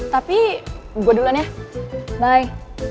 tapi gue duluan ya baik